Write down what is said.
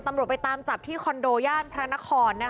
ตำรวจไปตามจับที่คอนโดย่านพระนคร